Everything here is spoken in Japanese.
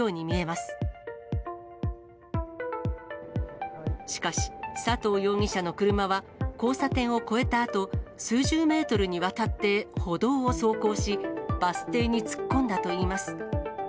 しかし佐藤容疑者の車は、交差点を越えたあと、数十メートルにわたって歩道を走行し、バス停に突っ込んだといいます。